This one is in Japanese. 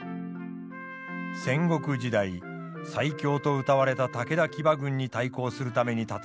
戦国時代最強とうたわれた武田騎馬軍に対抗するために建てられたという馬防柵。